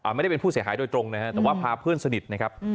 ไม่ได้เป็นผู้เสียหายโดยตรงนะฮะแต่ว่าพาเพื่อนสนิทนะครับ